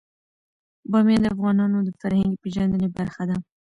بامیان د افغانانو د فرهنګي پیژندنې برخه ده.